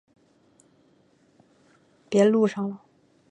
秃剌之子为越王阿剌忒纳失里。